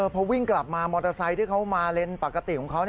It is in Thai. พอวิ่งกลับมามอเตอร์ไซค์ที่เขามาเลนส์ปกติของเขา